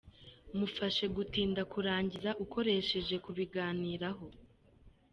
Mufashe gutinda kurangiza ukoresheje ku biganiraho.